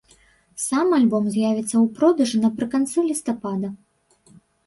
Сам альбом з'явіцца ў продажы напрыканцы лістапада.